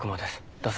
どうぞ。